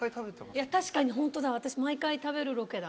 確かにホントだ私毎回食べるロケだ。